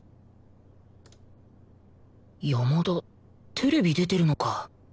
山田テレビ出てるのか